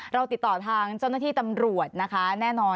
เราติดต่อทางเจ้าหน้าที่ตำรวจนะคะแน่นอน